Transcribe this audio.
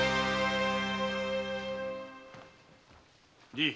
じい！